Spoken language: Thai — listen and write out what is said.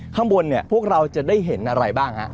ข้างบนเนี่ยพวกเราจะได้เห็นอะไรบ้างฮะ